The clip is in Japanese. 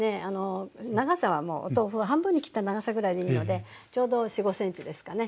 長さはもうお豆腐は半分に切った長さぐらいでいいのでちょうど４５ｃｍですかね。